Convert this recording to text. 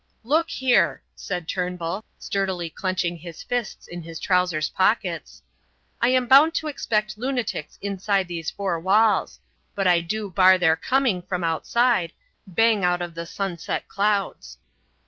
"Look here," said Turnbull, sturdily clenching his fists in his trousers pockets, "I am bound to expect lunatics inside these four walls; but I do bar their coming from outside, bang out of the sunset clouds."